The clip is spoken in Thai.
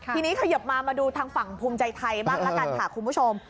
ทีนี้ขยบมามาดูทางฝั่งภูมิใจไทยบ้างละกันค่ะคุณผู้ชม